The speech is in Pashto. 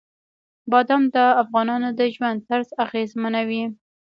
بادام د افغانانو د ژوند طرز اغېزمنوي.